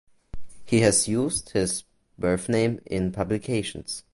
He has used his birth name in publications.